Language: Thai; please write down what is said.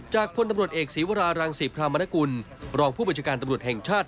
จากพ่นตำลดเอกศีวรารังสีพรามณกุลรองผู้บิจการตำลดแห่งชาติ